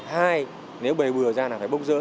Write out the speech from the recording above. hai nếu bày bừa ra là phải bốc dỡ